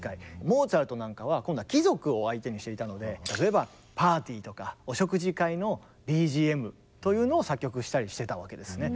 モーツァルトなんかは今度は貴族を相手にしていたので例えばパーティーとかお食事会のＢＧＭというのを作曲したりしてたわけですね。